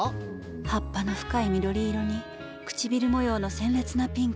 葉っぱの深い緑色に唇模様の鮮烈なピンク。